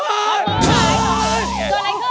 เซอร์อะไรขึ้น